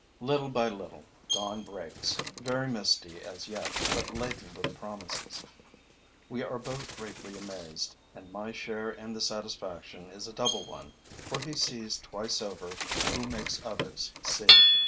Little by little, dawn breaks, very misty as yet, but laden with promises. We are both greatly amazed; and my share in the satisfaction is a double one, for he sees twice over who makes others see.